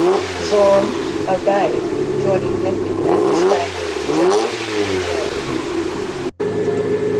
Zoram obeyed, joining Nephi and his family in their journey to the New World.